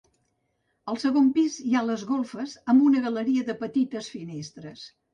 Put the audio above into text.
Al segon pis hi ha les golfes amb una galeria de petites finestres.